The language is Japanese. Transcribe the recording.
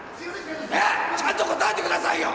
ちゃんと答えてくださいよ！